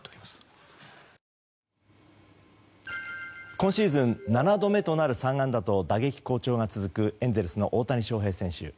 今シーズン７度目となる３安打と打撃好調が続くエンゼルスの大谷翔平選手。